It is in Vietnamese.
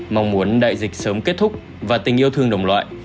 mong muốn đại dịch sớm kết thúc và tình yêu thương đồng loại